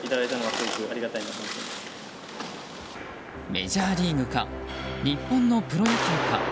メジャーリーグか日本のプロ野球か。